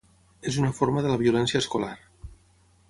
És una forma de la violència escolar.